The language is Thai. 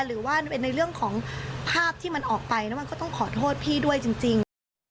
หรือว่าในเรื่องของภาพที่มันออกไปแล้วมันก็ต้องขอโทษพี่ด้วยจริง